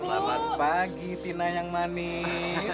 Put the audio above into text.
selamat pagi tina yang manis